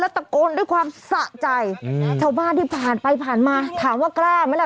ตะโกนด้วยความสะใจชาวบ้านที่ผ่านไปผ่านมาถามว่ากล้าไหมล่ะ